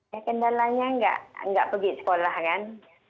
ya kendalanya nggak pergi sekolah kan